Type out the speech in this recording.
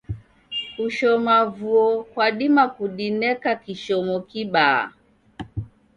Kushoma vuo kwadima kudineka kishomo kibaa.